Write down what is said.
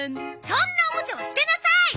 そんなおもちゃは捨てなさい！